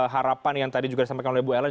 harapan yang tadi juga disampaikan oleh bu ellen